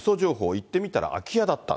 行ってみたら空き家だった。